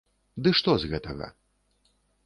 Ды што з гэтага?